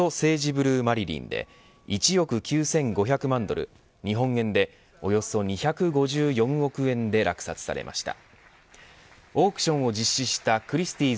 ブルー・マリリンで１億９５００万ドル日本円でおよそ２５４億円で落札されました。